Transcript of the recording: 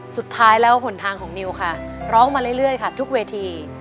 สุดท้ายแล้วหนทางของนิวค่ะร้องมาเรื่อยค่ะทุกเวที